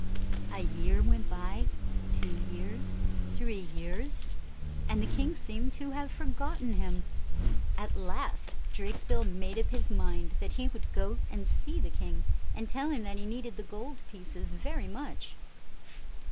A year went by, — two years, three years, — and the king seemed to have forgotten him. At last Drakesbill made up his mind that he would go and see the king, and tell him that he needed the gold pieces very much.